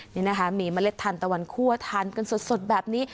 นี่นะคะมีเมล็ดทานตะวันคั่วทานกันสดแบบนี้